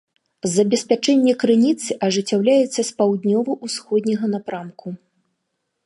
Забеспячэнне крыніцы ажыццяўляецца з паўднёва-ўсходняга напрамку.